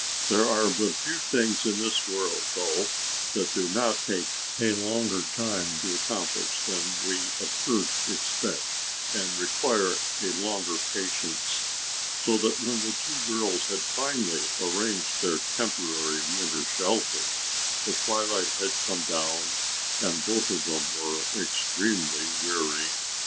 There are but few things in this world though that do not take a longer time to accomplish than we at first expect and require a longer patience. So that when the two girls had finally arranged their temporary winter shelter, the twilight had come down and both of them were extremely weary.